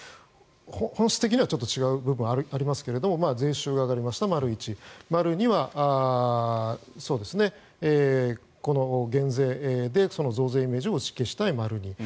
本質的には違う部分はありますが税収が上がりました、丸１丸２はこの減税で増税でイメージを打ち消したい丸２。